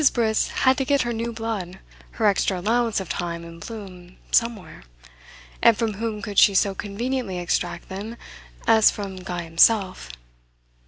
Briss had to get her new blood, her extra allowance of time and bloom, somewhere; and from whom could she so conveniently extract them as from Guy himself?